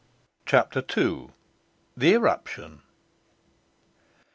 CHAPTER II. THE ERUPTION.